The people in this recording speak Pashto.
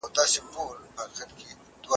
په څېړنه کي د هنر او واقعیت ترمنځ انډول وساتئ.